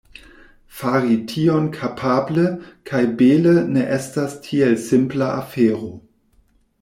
Fari tion kapable kaj bele ne estas tiel simpla afero.